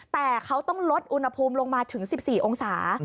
แต่เขาต้องลดอุณหภูมิลงมาถึง๑๔องศา